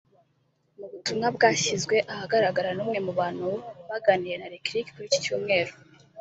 Mu butumwa Bwashyizwe ahagaragara n’umwe mu bantu baganiriye na Lick Lick kuri iki cyumweru